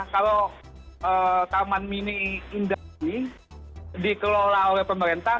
kalau taman mini indah ini dikelola oleh pemerintah